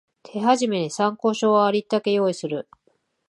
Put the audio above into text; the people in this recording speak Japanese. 手始めに参考書をありったけ用意する